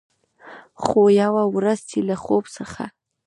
خو، یوه ورځ چې له خوب څخه